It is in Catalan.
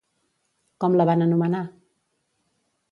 Com la van anomenar?